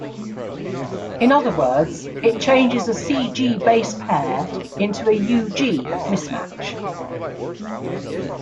In other words, it changes a C:G base pair into a U:G mismatch.